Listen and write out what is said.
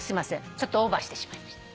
ちょっとオーバーしてしまいました。